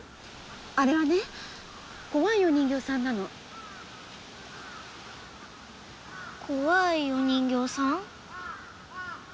あれはね怖いお人形さんなの怖いお人形さん？